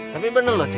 tapi bener loh cek